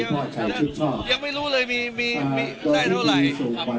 มันจะจะจัดการที่ที่นั้นอยากการที่สุด